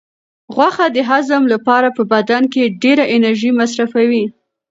غوښه د هضم لپاره په بدن کې ډېره انرژي مصرفوي.